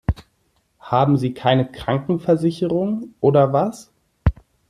Haben Sie keine Krankenversicherung oder was?